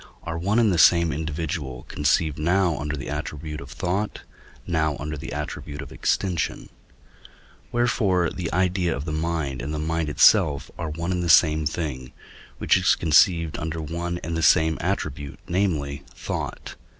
are one and the same individual conceived now under the attribute of thought, now under the attribute of extension; wherefore the idea of the mind and the mind itself are one and the same thing, which is conceived under one and the same attribute, namely, thought.